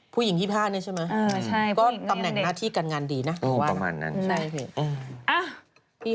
ผู้หญิงที่พานี่ใช่ไหมตำแหน่งหน้าที่การงานดีนะพูดว่าวะใช่ผู้หญิงที่พานี่เป็นเด็ก